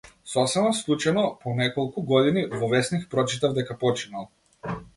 Сосема случајно, по неколку години, во весник прочитав дека починал.